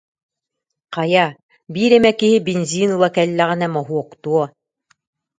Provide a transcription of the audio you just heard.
Хайа, биир эмэ киһи бензин ыла кэллэҕинэ моһуоктуо